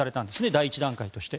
第１段階として。